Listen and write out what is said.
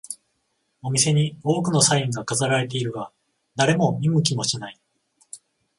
お店に多くのサインが飾られているが、誰も見向きもしない